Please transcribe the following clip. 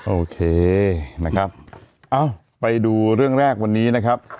โอเคนะครับเอ้าไปดูเรื่องแรกวันนี้นะครับ